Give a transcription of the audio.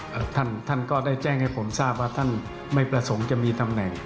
แล้วก็ธ่านก็ได้แจ้งให้ผมทราบว่าหวังว่าธ่านไม่ประสงค์จะมีแบบนี้